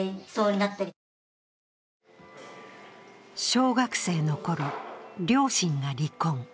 小学生のころ、両親が離婚。